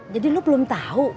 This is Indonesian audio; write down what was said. jadi lu belum tahu